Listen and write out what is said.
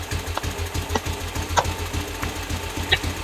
狄翁与其手下透过用来走私私酒的地下隧道伏击马索的人马。